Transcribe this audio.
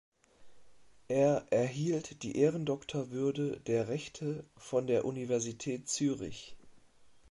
Er erhielt die Ehrendoktorwürde der Rechte von der Universität Zürich.